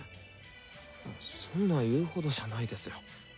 そんな言うほどじゃないですよ。